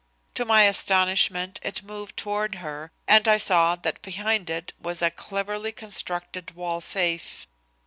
To my astonishment it moved toward her, and I saw that behind it was a cleverly constructed wall safe.